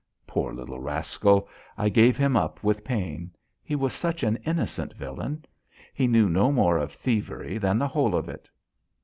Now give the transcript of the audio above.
Poor little rascal! I gave him up with pain. He was such an innocent villain. He knew no more of thievery than the whole of it.